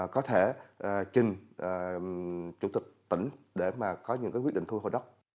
có thể trình chủ tịch tỉnh để mà có những quyết định thu hồi đất